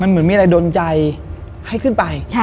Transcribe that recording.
เหมือนมีอะไรดนใจให้ขึ้นไป